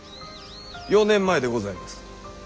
４年前でございます。